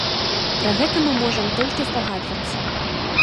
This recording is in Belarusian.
Пра гэта мы можам толькі здагадвацца.